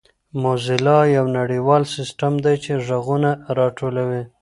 موزیلا یو نړیوال سیسټم دی چې ږغونه راټولوي.